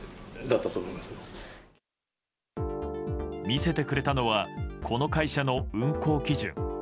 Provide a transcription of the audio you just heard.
見せてくれたのはこの会社の運航基準。